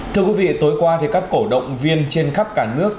thưa quý vị tối qua các cổ động viên trên khắp cả nước